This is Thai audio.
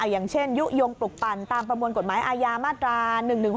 อย่างเช่นยุโยงปลุกปั่นตามประมวลกฎหมายอาญามาตรา๑๑๖